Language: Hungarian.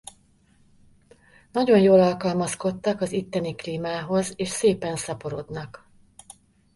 Nagyon jól alkalmazkodtak az itteni klímához és szépen szaporodnak.